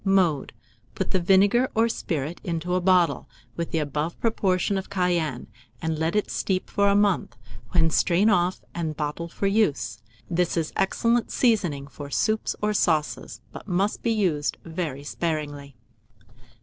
Mode. Put the vinegar, or spirit, into a bottle, with the above proportion of cayenne, and let it steep for a month, when strain off and bottle for use. This is excellent seasoning for soups or sauces, but must be used very sparingly.